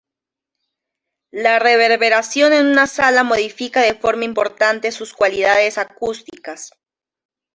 La reverberación en una sala modifica de forma importante sus cualidades acústicas.